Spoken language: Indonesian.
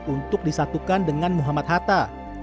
untuk disatukan dengan muhammad hatta